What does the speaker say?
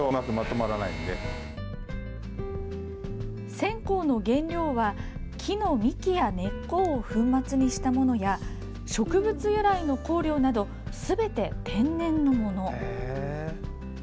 線香の原料は、木の幹や根っこを粉末にしたものや植物由来の香料などすべて天然のもの。